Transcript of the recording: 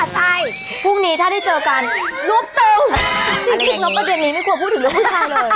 ใช่พรุ่งนี้ถ้าได้เจอกันรบเต็มจริงรบไปเดือนนี้ไม่กลัวพูดถึงเรื่องผู้ชายเลย